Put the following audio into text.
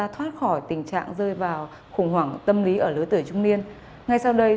thì nó là khủng hoảng